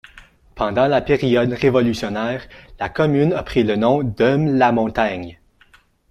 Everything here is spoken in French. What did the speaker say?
Pendant la période révolutionnaire, la commune a pris le nom d' Heume-la-Montagne.